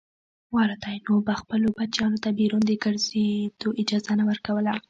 والدینو به خپلو بچیانو ته بیرون د ګرځېدو اجازه نه ورکوله.